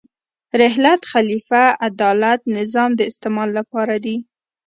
رحلت، خلیفه، عدالت، نظام د استعمال لپاره دي.